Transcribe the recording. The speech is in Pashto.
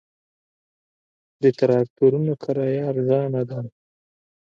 د تراکتورونو کرایه ارزانه ده